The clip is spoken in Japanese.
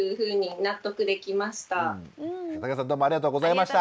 竹田さんどうもありがとうございました。